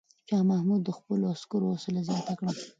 شاه محمود د خپلو عسکرو حوصله زیاته کړه.